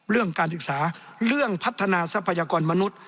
เรื่องการศึกษาเรื่องพัฒนาทรัพยากรมนุษย์